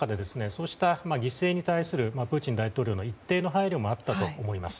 そうした犠牲に対するプーチン大統領の一定の配慮もあったと思います。